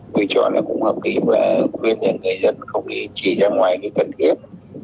vị trò này cũng hợp lý và nguyên nhân người dân không đi chỉ ra ngoài cái cần thiết